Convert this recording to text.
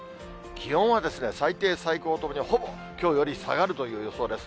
気温は最低、最高ともに、ほぼきょうより下がるという予想です。